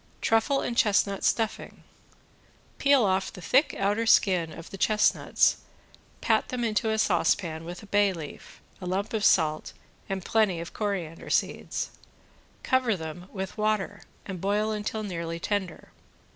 ~TRUFFLE AND CHESTNUT STUFFING~ Peel off the thick outer skin of the chestnuts, pat them into a saucepan with a bay leaf, a lump of salt, and plenty of coriander seeds. Cover them with water, and boil until nearly tender.